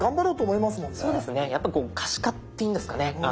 そうですねやっぱ可視化っていうんですかね。